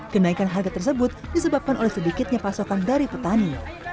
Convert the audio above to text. kenaikan harga tersebut disebabkan oleh sedikitnya pasokan dari petani